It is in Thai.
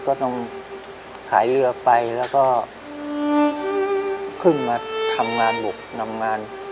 ก็ต้องพายเรือไปแล้วก็เพิ่งมาทำงานบุกนำงาน